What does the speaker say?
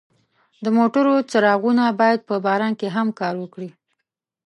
د موټرو څراغونه باید په باران کې هم کار وکړي.